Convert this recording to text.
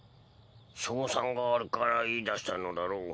勝算があるから言いだしたのだろう？